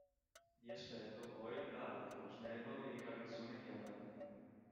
Di aspetto Boyle era alto, snello e di carnagione chiara.